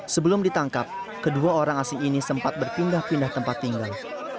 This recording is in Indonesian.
sebelum ditangkap kedua orang asing ini sempat berpindah pindah tempat tinggal